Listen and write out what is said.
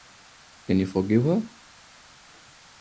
Can You Forgive Her?